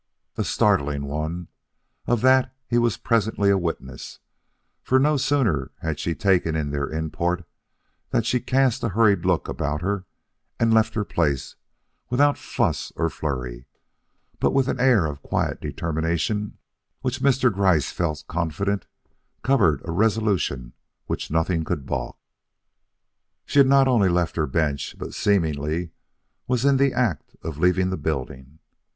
A startling one of that he was presently a witness; for no sooner had she taken in their import than she cast a hurried look about her and left her place without fuss or flurry, but with an air of quiet determination which Mr. Gryce felt confident covered a resolution which nothing could balk. She had not only left her bench but seemingly was in the act of leaving the building.